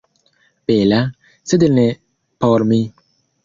Bela, sed ne por mi.